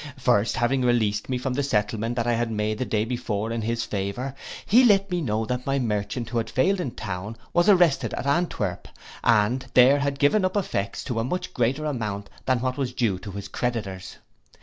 First having released me from the settlement that I had made the day before in his favour, he let me know that my merchant who had failed in town was arrested at Antwerp, and there had given up effects to a much greater amount than what was due to his creditors.